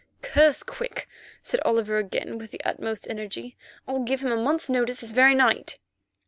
"Curse Quick," said Oliver again, with the utmost energy. "I'll give him a month's notice this very night."